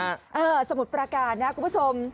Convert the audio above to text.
เออสมุทรประการนะคุณผู้ชม